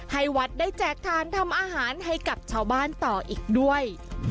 ให้วัดได้แจกทานทำอาหารให้กับชาวบ้านต่ออีกด้วย